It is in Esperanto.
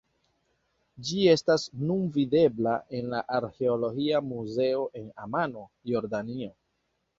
Ĝi estas nun videbla en la Arĥeologia Muzeo en Amano, Jordanio.